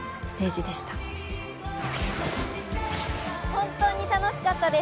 本当に楽しかったです。